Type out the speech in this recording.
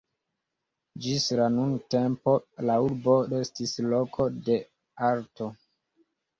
Ĝis la nuntempo la urbo restis loko de arto.